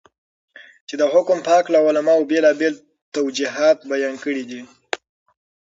چې دحكم په هكله علماؤ بيلابيل توجيهات بيان كړي دي.